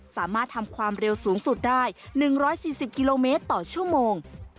สามารถทำความเร็วสูงสุดได้๑๔๐กิโลเมตรต่อชั่วโมง